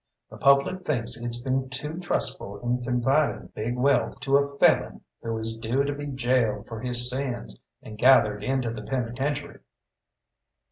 The public thinks it's been too trustful in confiding big wealth to a felon who is due to be gaoled for his sins and gathered into the penitentiary."